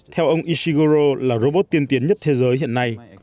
theo ông ishigoro là robot tiên tiến nhất thế giới hiện nay